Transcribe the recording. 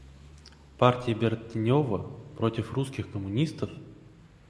Партия Бертенева против русских коммунистов?